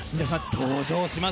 登場します。